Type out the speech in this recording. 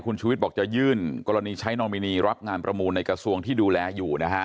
คุณชุวิตบอกจะยื่นกรณีใช้นอมินีรับงานประมูลในกระทรวงที่ดูแลอยู่นะฮะ